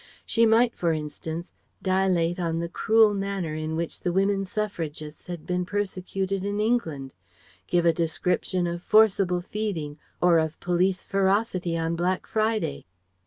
She might, for instance, dilate on the cruel manner in which the Woman Suffragists had been persecuted in England; give a description of forcible feeding or of police ferocity on Black Friday.